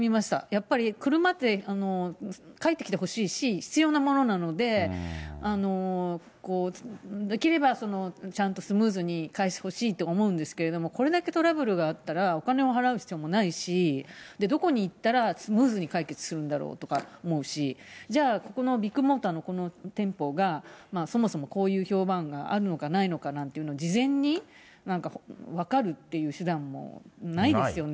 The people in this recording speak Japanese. やっぱり車って、返ってきてほしいし、必要なものなので、できればちゃんとスムーズに返してほしいと思うんですけど、これだけトラブルがあったら、お金を払う必要もないし、どこに行ったらスムーズに解決するんだろうって思うし、じゃあ、ここのビッグモーターの店舗が、そもそもこういう評判があるのかないのかっていうのも、事前に分かるっていう手段もないですよね。